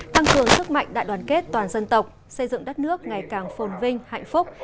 tăng cường sức mạnh đại đoàn kết toàn dân tộc xây dựng đất nước ngày càng phồn vinh hạnh phúc